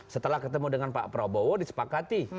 setelah ketemu dengan pak prabowo disepakati